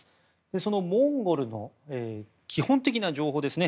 そのモンゴルの基本的な情報ですね。